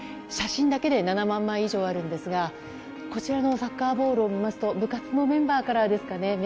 写真だけで７万枚以上あるんですがこちらのサッカーボール部活のメンバーからですかね